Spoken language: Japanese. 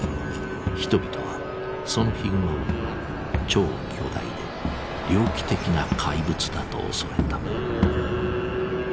人々はそのヒグマを「超巨大で猟奇的な怪物」だと恐れた。